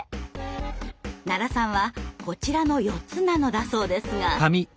奈良さんはこちらの４つなのだそうですが。